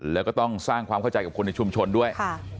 แล้วก็ต้องสร้างความเข้าใจกับคนในชุมชนด้วย